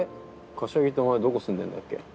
柏木ってお前どこ住んでんだっけ？